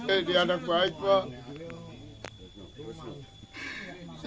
eh dia anak baik pak